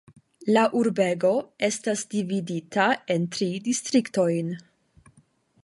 La urbego estas dividita en tri distriktojn.